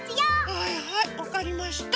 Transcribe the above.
はいはいわかりました。